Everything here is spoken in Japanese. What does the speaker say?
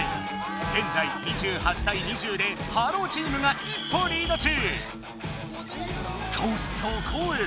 現在２８対２０でハローチームが一歩リード中！とそこへ！